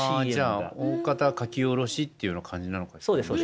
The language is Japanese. じゃあ大方書き下ろしっていうような感じなのかなもしかして。